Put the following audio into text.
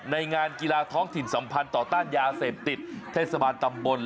ในงานกีฬาท้องถิ่นสัมพันธ์ต่อต้านยาเสพติดเทศบาลตำบล